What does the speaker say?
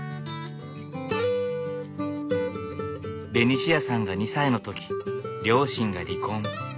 ベニシアさんが２歳の時両親が離婚。